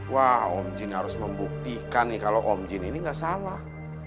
wah om jin harus membuktikan nih kalo om jin ini gak salah